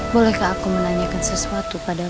bolehkah aku menanyakan sesuatu padamu